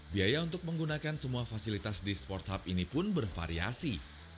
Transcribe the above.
biaya untuk menggunakan semua fasilitas di sport ini pun bervariasi